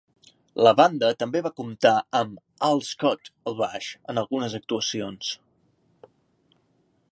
La banda també va comptar amb Al Scott al baix en algunes actuacions.